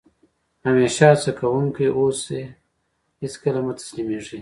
همېشه هڅه کوونکی اوسى؛ هېڅ کله مه تسلیمېږي!